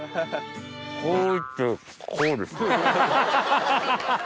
こういってこうです。